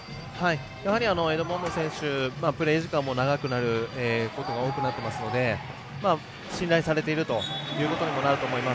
やはりエドモンドソン選手プレー時間も長くなることが多くなっていますので信頼されているということにもなると思います。